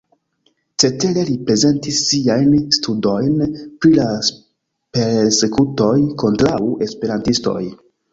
Cetere li prezentis siajn studojn pri la persekutoj kontraŭ esperantistoj.